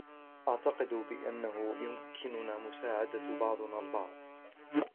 اعتقد بأنه يمكننا مساعدة بعضنا البعض.